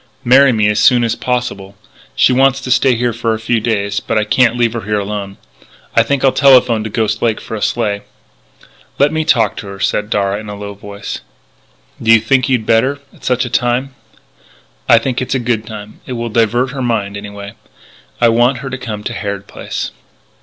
"Marry me as soon as possible. She wants to stay here for a few days but I can't leave her here alone. I think I'll telephone to Ghost Lake for a sleigh." "Let me talk to her," said Darragh in a low voice. "Do you think you'd better at such a time?" "I think it's a good time. It will divert her mind, anyway. I want her to come to Harrod Place."